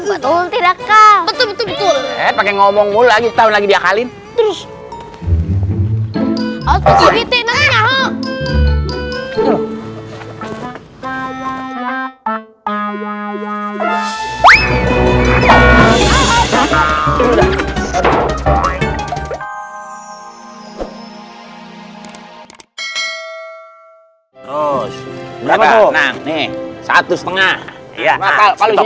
betul betul ngomong mulai tahun lagi diakalin terus terus berapa nih satu setengah ya kalau